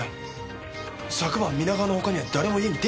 昨晩皆川の他には誰も家に出入りしてないんですよ。